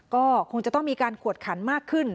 ก็คงจะต้องมีการกวดขันมากขึ้น